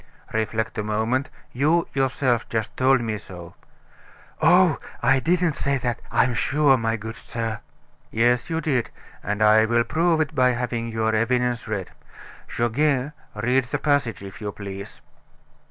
"Reflect a moment; you, yourself just told me so." "Oh, I didn't say that, I'm sure, my good sir." "Yes, you did, and I will prove it by having your evidence read. Goguet, read the passage, if you please."